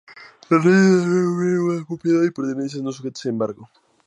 Las leyes determinarán un mínimo de propiedad y pertenencias no sujetas a embargo.